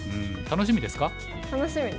楽しみです。